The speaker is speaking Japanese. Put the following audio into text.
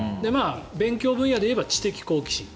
勉強分野で言えば知的好奇心。